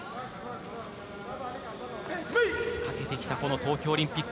かけてきたこの東京オリンピック。